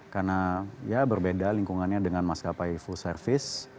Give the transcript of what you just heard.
karena ya berbeda lingkungannya dengan maskapai full service